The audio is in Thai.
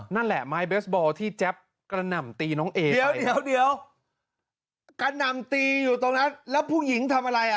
นั่นแหละไม้เบสบอลที่แจ๊บกระหน่ำตีน้องเอเดี๋ยวเดี๋ยวกระหน่ำตีอยู่ตรงนั้นแล้วผู้หญิงทำอะไรอ่ะ